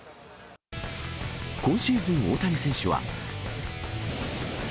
今シーズン、大谷選手は。